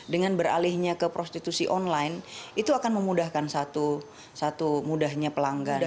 dengan beralihnya ke prostitusi online itu akan memudahkan satu mudahnya pelanggar